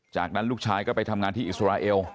จากนั้นลูกชายก็ไปทำงานที่อิสราเอล